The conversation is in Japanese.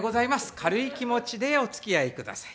軽い気持ちでおつきあいください。